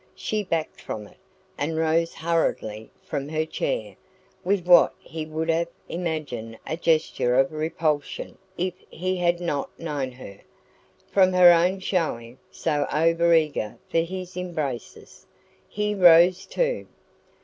She backed from it, and rose hurriedly from her chair, with what he would have imagined a gesture of repulsion if he had not known her, from her own showing, so over eager for his embraces. He rose too.